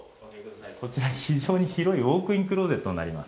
こちら、非常に広いウォークインクローゼットになります。